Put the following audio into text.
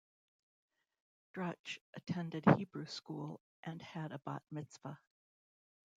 Dratch attended Hebrew school and had a Bat Mitzvah.